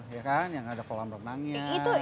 ya kan yang ada kolam renangnya